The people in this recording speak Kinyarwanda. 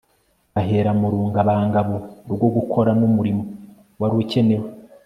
Bahera mu rungabangabo rwo gukora numurimo wari ukenewe